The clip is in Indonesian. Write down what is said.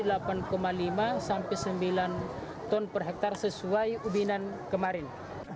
dan setiap panen raya jagung kita bisa mencapai satu ton per hektare sesuai ubinan kemarin